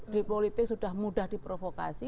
di politik sudah mudah diprovokasi